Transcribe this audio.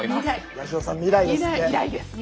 八代さん未来ですよ。